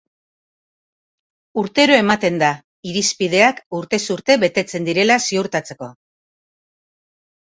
Urtero ematen da, irizpideak urtez urte betetzen direla ziurtatzeko.